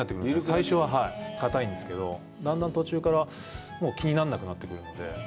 最初はかたいんですけど、だんだん途中からもう気にならなくなってくるので。